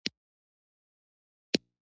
چې تر اوسه لا پیدا نه وي .